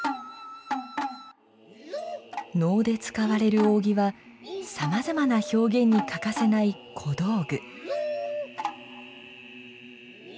能で使われる扇はさまざまな表現に欠かせない小道具。